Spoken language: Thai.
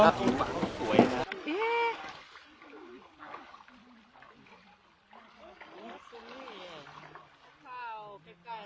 ศูมิมันไม่ชัดอ่ะ